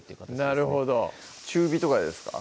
なるほど中火とかですか？